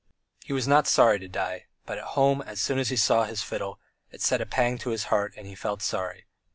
He was not sorry to die, but at home, as soon as he saw his fiddle, it sent a pang to his heart and he felt sorry.